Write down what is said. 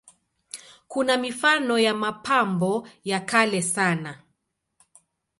Kuna mifano ya mapambo ya kale sana.